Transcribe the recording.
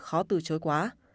khó từ chối quá